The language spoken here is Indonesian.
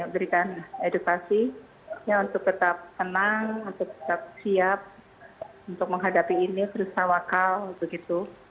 berikan edukasi untuk tetap tenang untuk tetap siap untuk menghadapi ini terus sawakal begitu